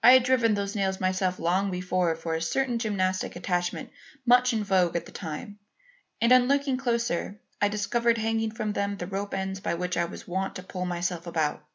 I had driven those nails myself long before for a certain gymnastic attachment much in vogue at the time, and on looking closer, I discovered hanging from them the rope ends by which I was wont to pull myself about.